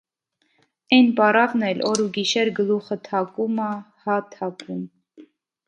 Էն պառավն էլ օր ու գիշեր գլուխը թակում ա, հա՛ թակում: